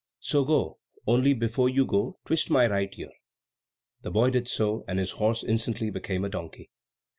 So go, only before you go, twist my right ear." The boy did so, and his horse instantly became a donkey.